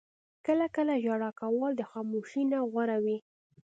• کله کله ژړا کول د خاموشۍ نه غوره وي.